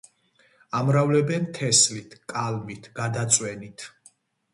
ამრავლებენ თესლით, კალმით, გადაწვენით.